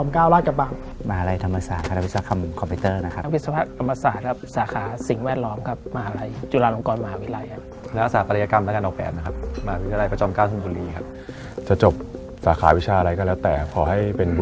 การเป็นนักบินเป็นความฝันตั้งแต่เด็กแล้วนะครับ